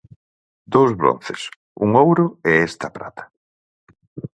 Dous bronces, un ouro e esta prata.